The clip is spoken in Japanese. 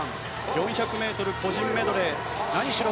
４００ｍ個人メドレー何しろ